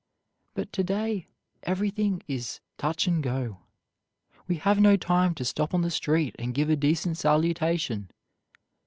But to day everything is "touch and go." We have no time to stop on the street and give a decent salutation.